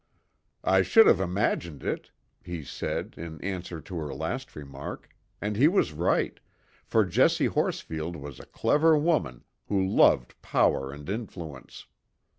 "I should have imagined it," he said, in answer to her last remark, and he was right, for Jessie Horsfield was a clever woman, who loved power and influence.